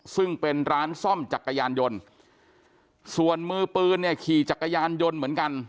ซึ่งเป็นร้านซ่อมจักรยานยนต์ส่วนมือปืนเนี่ยขี่จักรยานยนต์เหมือนกัน